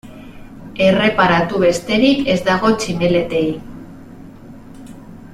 Erreparatu besterik ez dago tximeletei.